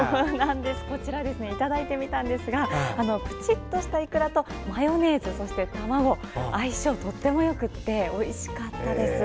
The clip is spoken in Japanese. こちらいただいてみたんですがぷちっとしたいくらとマヨネーズ卵の相性がよくておいしかったです。